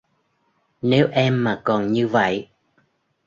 Nếu em mà còn như vậy